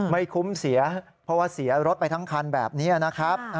ไม่คุ้มเสียเพราะว่าเสียรถไปทั้งคันแบบนี้นะครับ